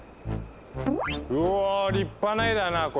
うぉ立派な絵だなこりゃ。